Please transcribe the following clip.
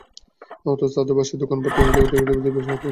অথচ তাঁদের বাসায় এবং দোকানপাটে নিয়মিত অতিরিক্ত বিদ্যুৎ বিল দেওয়া হচ্ছে।